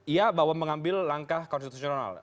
iya bahwa mengambil langkah konstitusional